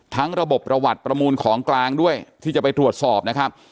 ระบบประวัติประมูลของกลางด้วยที่จะไปตรวจสอบนะครับ